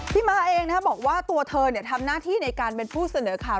ม้าเองบอกว่าตัวเธอทำหน้าที่ในการเป็นผู้เสนอข่าว